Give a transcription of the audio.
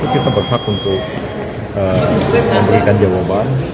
kita berhak untuk memberikan jawaban